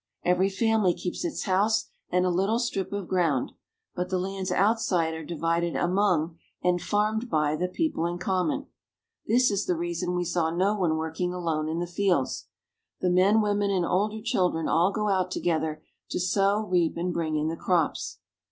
Every family keeps its house and a little strip of ground, but the lands outside are divided among, and farmed by, the people in common. This is the reason we saw no one working alone in the fields. The men, women, and older children all go out together to sow, reap, and bring in the crops.